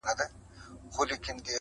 یوه ورځ عطار د ښار د باندي تللی-